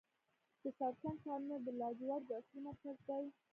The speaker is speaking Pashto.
د سرسنګ کانونه د لاجوردو اصلي مرکز دی.